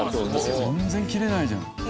全然切れないじゃん。